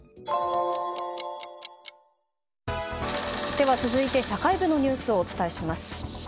では、続いて社会部のニュースをお伝えします。